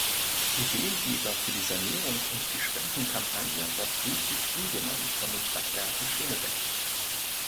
Ideengeber für die Sanierung und die Spendenkampagne war Friedrich Husemann von den Stadtwerken Schönebeck.